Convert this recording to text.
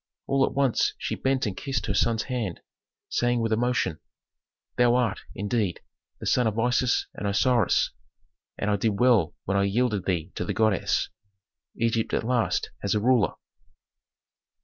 All at once she bent and kissed her son's hand, saying with emotion, "Thou art, indeed, the son of Isis and Osiris, and I did well when I yielded thee to the goddess. Egypt at last has a ruler."